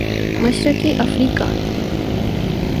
مشرقی افریقہ